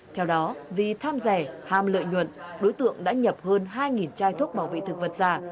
theo đó vì tham rẻ ham lợi nhuận đối tượng đã nhập hơn hai chai thuốc bảo vệ thực vật giả